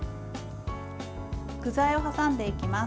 具材を挟んでいきます。